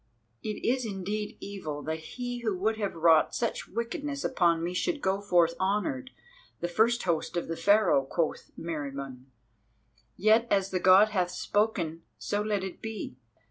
"It is indeed evil that he who would have wrought such wickedness upon me should go forth honoured, the first of the host of Pharaoh," quoth Meriamun. "Yet as the God hath spoken, so let it be.